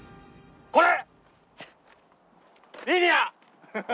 これ！